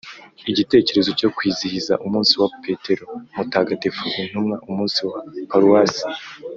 igitekerezo cyo kwizihiza umunsi wa petero mutagatifu intumwa, umunsi wa paruwasi